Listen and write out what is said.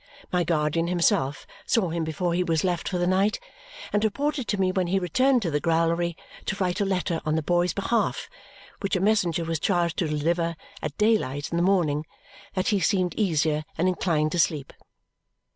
My guardian himself saw him before he was left for the night and reported to me when he returned to the growlery to write a letter on the boy's behalf, which a messenger was charged to deliver at day light in the morning, that he seemed easier and inclined to sleep.